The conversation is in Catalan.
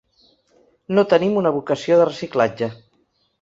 No tenim una vocació de reciclatge.